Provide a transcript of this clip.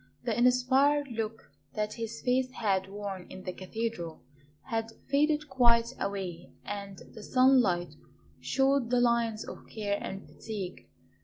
The inspired look that his face had worn in the Cathedral had faded quite away and the sunlight showed the lines of care and fatigue.